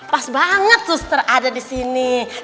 pas banget suster ada di sini